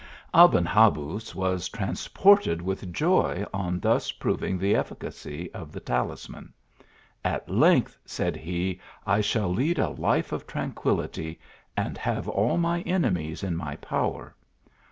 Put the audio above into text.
Aben Habuz was transported with joy on thus proving the efficacy of the talisman. " At length," said he, " I shall lead a life of tranquillity, and have all my enemies in my power.